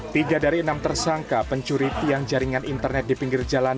tiga dari enam tersangka pencuri tiang jaringan internet di pinggir jalan